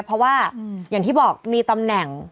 เพราะว่าอย่างที่บอกมีตำแหน่ง